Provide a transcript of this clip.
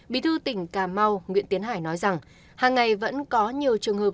bí thư tỉnh cà mau nguyễn tiến hải nói rằng hàng ngày vẫn có nhiều trường hợp